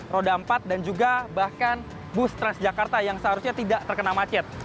roda empat dan juga bahkan bus transjakarta yang seharusnya tidak terkena macet